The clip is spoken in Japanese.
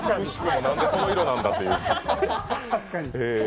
なんで、その色なんだという。